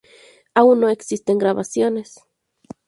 Aún no existen grabaciones.